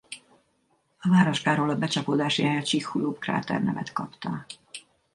A városkáról a becsapódási hely a Chicxulub-kráter nevet kapta.